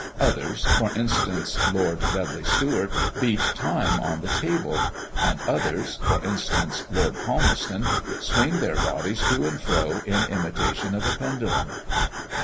Others for instance, Lord Dudley Stuart beat time on the table; and others for instance, Lord Palmerston swing their bodies to and fro in imitation of a pendulum.